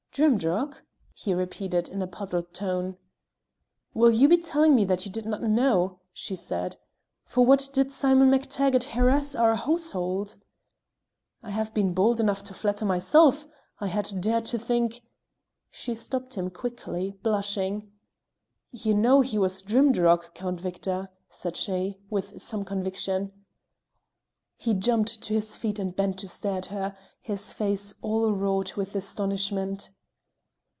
"Drimdarroch?" he repeated, in a puzzled tone. "Will you be telling me that you do not know?" she said. "For what did Simon MacTaggart harass our household?" "I have been bold enough to flatter myself; I had dared to think " She stopped him quickly, blushing. "You know he was Drimdarroch, Count Victor," said she, with some conviction. He jumped to his feet and bent to stare at her, his face all wrought with astonishment.